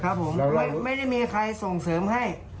ครับผมโดยไม่ได้มีใครส่งเสริมให้